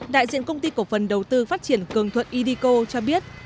đại diện công ty cổ phần đầu tư phát triển cường thuận idco cho biết